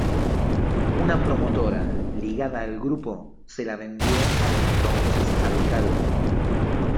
Una promotora ligada al grupo se la vendió al entonces alcalde.